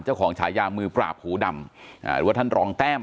เจ้าของฉายามือปราบหู้ดำอ่าหรือว่าท่านรองแต้ม